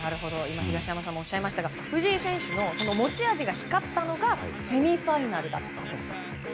東山さんもおっしゃいましたが藤井選手の持ち味が光ったのがセミファイナルだったと。